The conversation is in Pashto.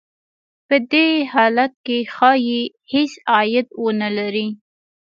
په دې حالت کې ښايي هېڅ عاید ونه لري